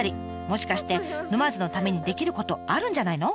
もしかして沼津のためにできることあるんじゃないの？